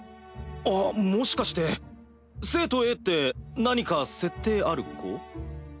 あっもしかして生徒Ａって何か設定ある子？